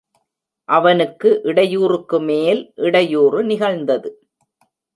அவனுக்கு இடையூறுக்குமேல் இடையூறு நிகழ்ந்தது.